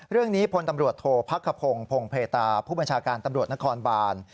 พลตำรวจโทษพักขพงศ์พงเพตาผู้บัญชาการตำรวจนครบาน